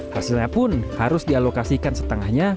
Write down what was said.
hasilnya pun harus dialokasikan setengahnya